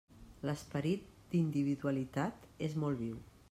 L'esperit d'individualitat és molt viu.